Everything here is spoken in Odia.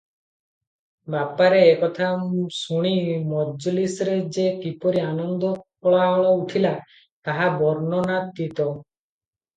ବାପରେ!" ଏ କଥା ଶୁଣି ମଜଲିସରେ ଯେ କିପରି ଆନନ୍ଦ କୋଳାହଳ ଉଠିଲା, ତାହା ବର୍ଣ୍ଣନାତୀତ ।